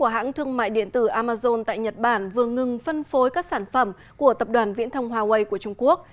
hãng thương mại điện tử amazon tại nhật bản vừa ngừng phân phối các sản phẩm của tập đoàn viễn thông huawei của trung quốc